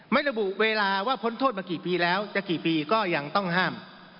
ระบุเวลาว่าพ้นโทษมากี่ปีแล้วจะกี่ปีก็ยังต้องห้าม